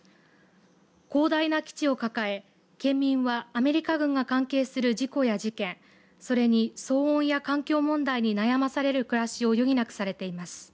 広大な基地を抱え県民はアメリカ軍が関係する事故や事件それに騒音や環境問題に悩まされる暮らしを余儀なくされています。